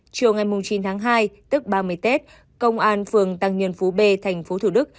chiều ngày chín tháng hai tức ba mươi tết công an phường tăng nhân phú b tp thủ đức